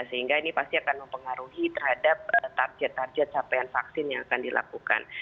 sehingga ini pasti akan mempengaruhi terhadap target target capaian vaksin yang akan dilakukan